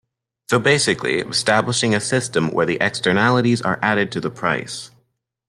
So basically establishing a system where the externalities are added to the price.